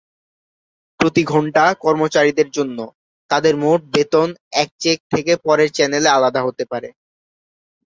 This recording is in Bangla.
প্রতি ঘণ্টা কর্মচারীদের জন্য, তাদের মোট বেতন এক চেক থেকে পরের চ্যানেলে আলাদা হতে পারে।